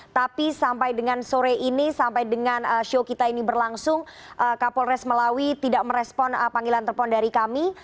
tapi sampai dengan sore ini sampai dengan show kita ini berlangsung kapolres melawi tidak merespon panggilan telepon dari kami